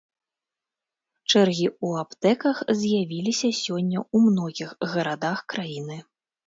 Чэргі ў аптэках з'явіліся сёння ў многіх гарадах краіны.